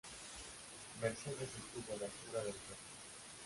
Mercedes estuvo a la altura del reto.